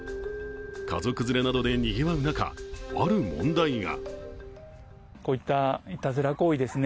家族連れなどでにぎわう中ある問題が。